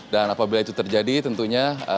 dan apabila itu terjadi tentunya